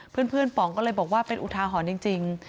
เพื่อนปองก็เลยบอกว่าเป็นอุทาหอนจริง